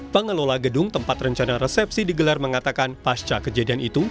pengelola gedung tempat rencana resepsi digelar mengatakan pasca kejadian itu